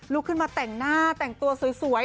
ขึ้นมาแต่งหน้าแต่งตัวสวย